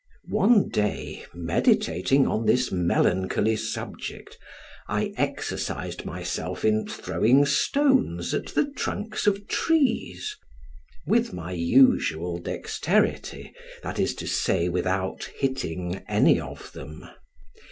One day, meditating on this melancholy subject, I exercised myself in throwing stones at the trunks of trees, with my usual dexterity, that is to say, without hitting any of them.